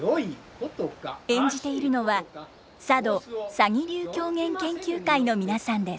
演じているのは佐渡鷺流狂言研究会の皆さんです。